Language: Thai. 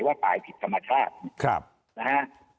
ว่าตายผิดธรรมชาติ